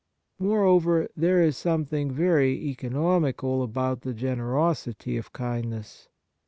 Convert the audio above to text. Moreover, there is something very eco nomical about the generosity of kindness.